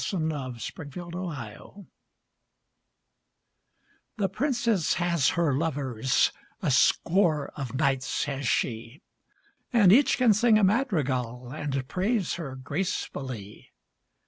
A Song of the Princess The princess has her lovers, A score of knights has she, And each can sing a madrigal, And praise her gracefully.